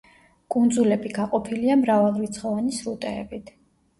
კუნძულები გაყოფილია მრავალრიცხოვანი სრუტეებით.